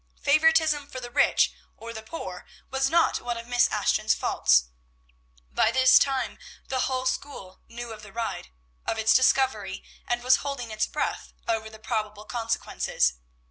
Favoritism for the rich or the poor was not one of Miss Ashton's faults. By this time the whole school knew of the ride, of its discovery, and was holding its breath over the probable consequences.